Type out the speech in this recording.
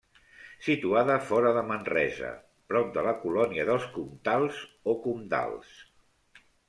Situada fora de Manresa, prop de la colònia dels Comtals o Comdals.